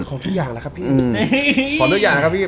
ขอทุกอย่างครับพี่